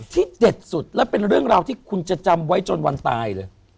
เด็ดสุดและเป็นเรื่องราวที่คุณจะจำไว้จนวันตายเลย